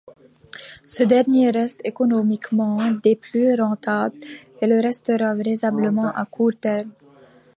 Ce dernier reste économiquement des plus rentables, et le restera vraisemblablement à court terme.